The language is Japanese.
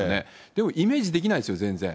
でもイメージできないですよ、全然。